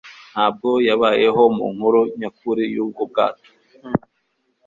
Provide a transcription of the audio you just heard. ntabwo yabayeho mu nkuru nyakuri y'ubu bwato.